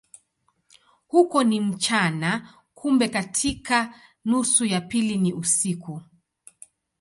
Huko ni mchana, kumbe katika nusu ya pili ni usiku.